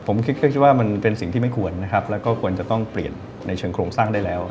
ผมคิดว่ามันเป็นสิ่งที่ไม่ควรนะครับแล้วก็ควรจะต้องเปลี่ยนในเชิงโครงสร้างได้แล้ว